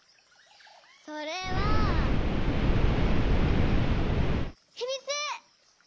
それはひみつ！